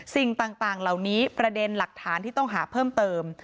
สิ่งต่างเหล่านี้ประเด็นหลักฐานที่ต้องหาเพิ่มเติม